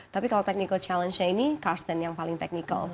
tapi kalau technical challenge nya ini karsten yang paling technical